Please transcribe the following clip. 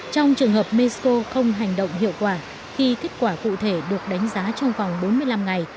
trong trường hợp mexico không hành động hiệu quả khi kết quả cụ thể được đánh giá trong vòng bốn mươi năm ngày